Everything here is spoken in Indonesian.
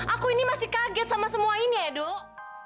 aku ini masih kaget sama semua ini ya dok